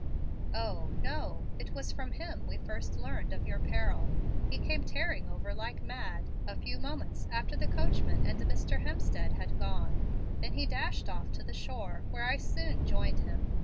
"O, no. It was from him we first learned of your peril. He came tearing over like mad, a few moments after the coachman and Mr. Hemstead had gone; then he dashed off to the shore, where I soon joined him.